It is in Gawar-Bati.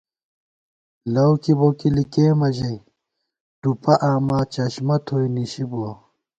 لؤ کِبوکی لِکېمہ ژَئی ، ٹُپہ آما چشمہ تھوئی نِشِی بُوَہ